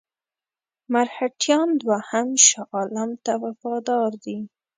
مرهټیان دوهم شاه عالم ته وفادار دي.